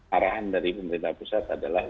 arahan dari pemerintah pusat adalah